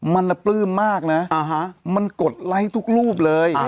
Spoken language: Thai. มันปลื้มมากนะมันกดไลค์ทุกรูปเลย